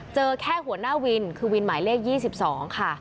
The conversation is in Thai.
เจอแค่หัวหน้าวินคือวินหมายเลข๒๒ค่ะ